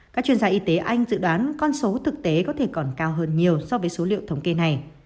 các chuyên gia y tế anh dự đoán con số thực tế có thể còn cao hơn nhiều so với số liệu thống kê này